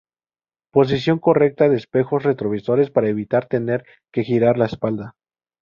Posición correcta de espejos retrovisores para evitar tener que girar la espalda.